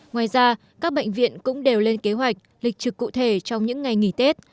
ngoài ra các bệnh viện cũng đều lên kế hoạch lịch trực cụ thể trong những ngày nghỉ tết